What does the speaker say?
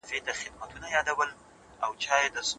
ټکنالوژي زموږ لپاره د ژبو د زده کړې دروازې خلاصې کړې.